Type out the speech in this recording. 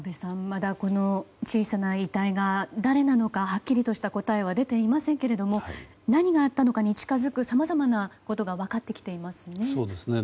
まだ小さな遺体が誰なのか、はっきりとした答えは出ていませんけれども何があったのかに近づくさまざまなことが分かってきていますね。